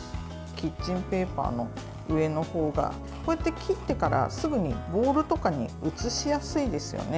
キッチンペーパーの上の方がこうやって切ってからすぐにボウルとかに移しやすいですよね。